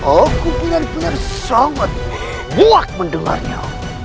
aku benar benar sangat buak mendengarnya